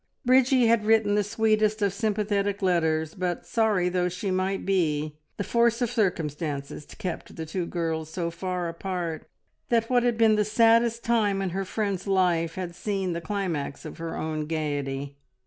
Bridgie had written the sweetest of sympathetic letters, but sorry though she might be, the force of circumstances kept the two girls so far apart, that what had been the saddest time in her friend's life had seen the climax of her own gaiety.